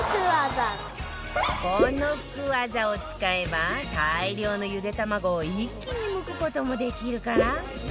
この福ワザを使えば大量のゆで卵を一気にむく事もできるから